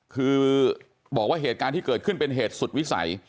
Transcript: คือบอกว่าเหตุการณ์ที่เกิดขึ้นเป็นเหตุสุดวิสัย